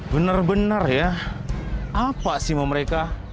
bener bener ya apa sih mau mereka